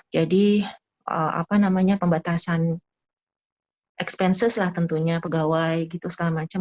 jadi apa namanya pembatasan expenses lah tentunya pegawai segala macam